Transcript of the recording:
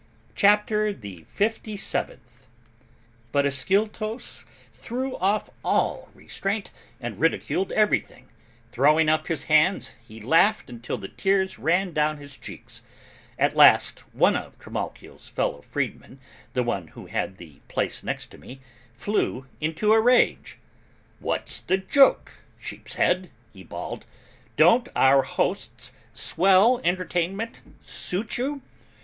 CHAPTER THE FIFTY SEVENTH. But Ascyltos threw off all restraint and ridiculed everything; throwing up his hands, he laughed until the tears ran down his cheeks. At last, one of Trimalchio's fellow freedmen, the one who had the place next to me, flew into a rage, "What's the joke, sheep's head," he bawled, "Don't our host's swell entertainment suit you?